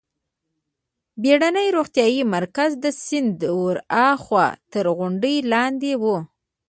بېړنی روغتیايي مرکز د سیند ورهاخوا تر غونډۍ لاندې و.